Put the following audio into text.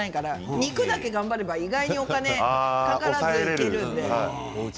肉だけ頑張ればお金かからずいけるので。